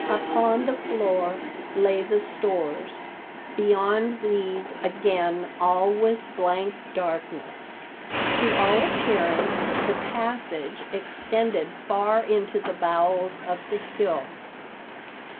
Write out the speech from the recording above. Upon the floor lay the stores; beyond these again all was blank darkness. To all appearance the passage extended far into the bowels of the hill.